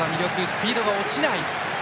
スピードが落ちない。